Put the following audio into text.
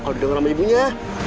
kalau didengar sama ibunya